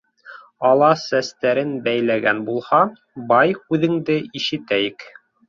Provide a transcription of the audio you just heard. Алла сәстәрен бәйләгән булһа, бай һүҙеңде ишетәйек.